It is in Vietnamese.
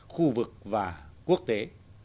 khu vực và quốc tế